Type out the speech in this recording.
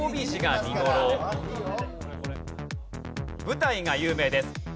舞台が有名です。